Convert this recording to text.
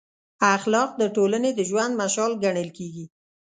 اخلاق د ټولنې د ژوند مشال ګڼل کېږي.